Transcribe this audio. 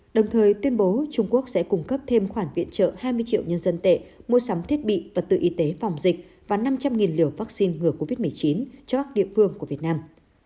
đồng thời tuyên bố trung quốc sẽ cung cấp thêm khoản viện trợ hai mươi triệu nhân dân tệ mua sắm thiết bị vật tư y tế phòng dịch và năm trăm linh liều vaccine ngừa covid một mươi chín cho các địa phương của việt nam